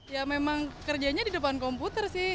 ya memang kerjanya di depan komputer sih